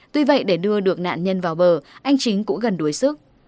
tuy vậy để đưa được nạn nhân vào bờ anh chính cũng gần đuối sức